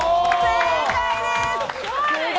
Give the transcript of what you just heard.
正解です。